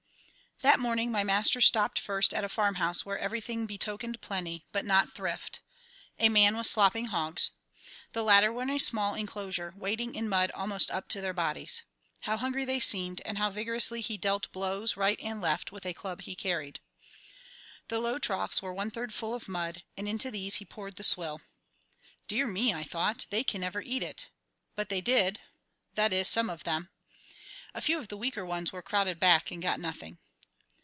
That morning my master stopped first at a farmhouse where everything betokened plenty, but not thrift. A man was slopping hogs. The latter were in a small inclosure, wading in mud almost up to their bodies. How hungry they seemed, and how vigorously he dealt blows right and left, with a club he carried! The low troughs were one third full of mud, and into these he poured the swill. "Dear me," I thought, "they can never eat it," but they did; that is, some of them. A few of the weaker ones were crowded back and got nothing.